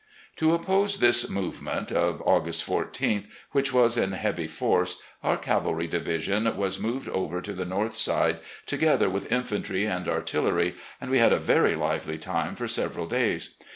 ..." To oppose this movement (of August 14th), which was in heavy force, our cavalry division was moved over to the north side, together with infantry and artillery, and we had a very lively time for several days.